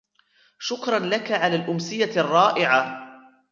شكراً لكَ على الأمسية الرائعة.